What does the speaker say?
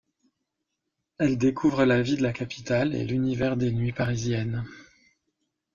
Elle découvre la vie de la capitale et l'univers des nuits parisiennes.